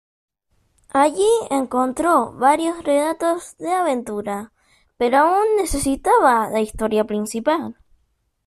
Allí encontró varios relatos de aventura, pero aun necesitaba la historia principal.